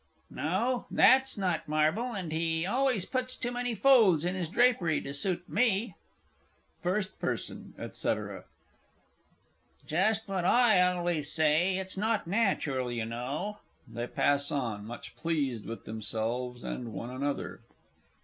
No that's not marble, and he always puts too many folds in his drapery to suit me. FIRST P. &c. Just what I always say. It's not natural, you know. [_They pass on, much pleased with themselves and one another.